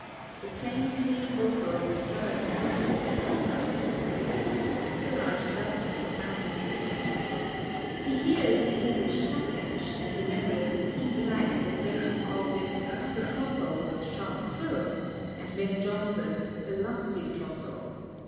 The plane tree vocal with birds' voices recalls Tennyson, "The pillared dusk of sounding sycamores"; he hears the English chaffinch, and remembers with keen delight that Drayton calls it "the throstle with sharp thrills," and Ben Jonson "the lusty throstle."